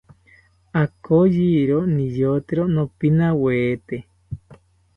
Akoyori niyotero nopinawete